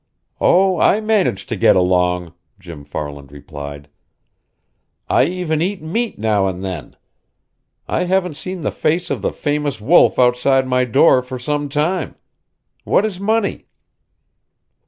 "Oh, I manage to get along!" Jim Farland replied. "I even eat meat now and then. I haven't seen the face of the famous wolf outside my door for some time. What is money?"